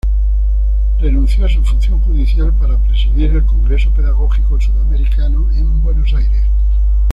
Renunció a su función judicial para presidir el Congreso Pedagógico Sudamericano en Buenos Aires.